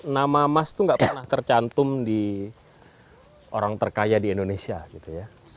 nama mas itu nggak pernah tercantum di orang terkaya di indonesia gitu ya